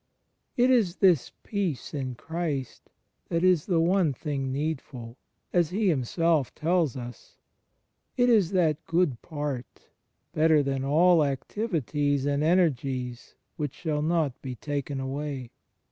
It is this Peace in Christ 152 THE FRIENDSHIP OF CHRIST that is the one thing needful, as He Himself tells us; it is that ''good part/' better than all activities and energies which "shall not be taken away."